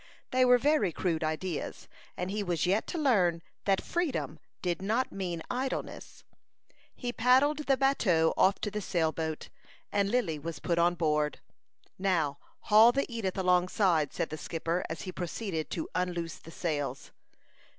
They were very crude ideas, and he was yet to learn that freedom did not mean idleness. He paddled the bateau off to the sail boat, and Lily was put on board. "Now, haul the Edith alongside," said the skipper, as he proceeded to unloose the sails.